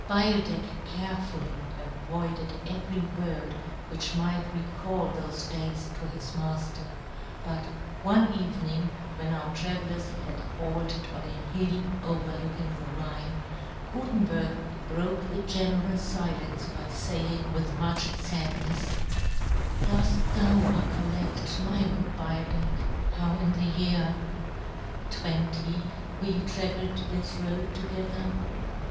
Beildech carefully avoided every word vv^hich might recal thofe days to his Mafler ; but one evening w^hen our travellers had halted on a hill overlooking the Rhine, Gutenberg broke the general filence by faying, vv^ith much fadnefs, " Doft thou re " colledt, my good Beildech, how in " the year — 20 we travelled this " road together